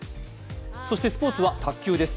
そしてスポーツは卓球です。